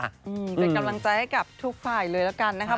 เป็นกำลังใจให้กับทุกฝ่ายเลยแล้วกันนะครับ